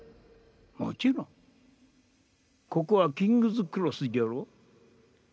もちろんここはキングズ・クロスじゃろ？